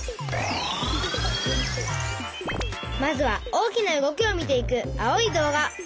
まずは大きな動きを見ていく青い動画。